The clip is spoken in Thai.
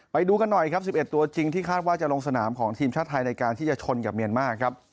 ไปดูกันหน่อยครับ๑๑ตัวจริงที่คาดว่าจะลงสนามของทีมชาติไทยในการที่จะชนกับเมียนมาร์ครับ